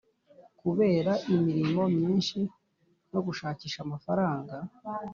kubera imirimo myinshi no gushakisha amafaranga.